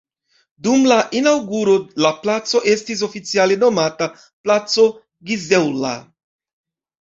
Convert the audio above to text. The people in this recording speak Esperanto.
Dum la inaŭguro la placo estis oficiale nomata placo Gizella.